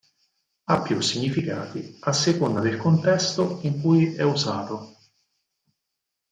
Ha più significati a seconda del contesto in cui è usato.